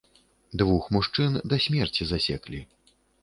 Двух мужчын да смерці засеклі.